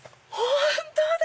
本当だ！